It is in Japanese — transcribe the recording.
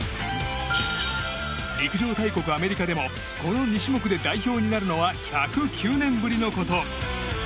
陸上大国アメリカでもこの２種目で代表になるのは１０９年ぶりのこと。